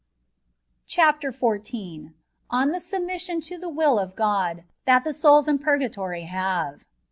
CHAPTER XIV. ON THE fetrBMXSSiON lO THE WILL OF GOD THAT THE SOULS IN PUBGATORT HATE.